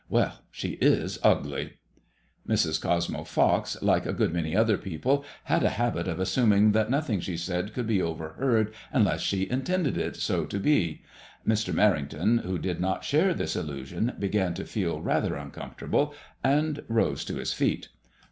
Well, she is ugly !" Mrs. Cosmo Fox, like a good many other people, had a habit of assuming that nothing she said could be overheard unless she intended it to be so. Mr. Merrington, who did not share this illusion, began to feel rather uncomfortable, and rose to his feet.